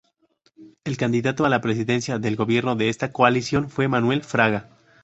El candidato a la presidencia del gobierno de esta coalición fue Manuel Fraga.